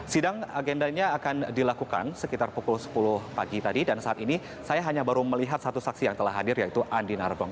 sidang agendanya akan dilakukan sekitar pukul sepuluh pagi tadi dan saat ini saya hanya baru melihat satu saksi yang telah hadir yaitu andi nargong